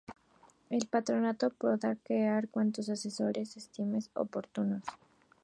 El Patronato podrá crear cuantos órganos asesores estime oportunos.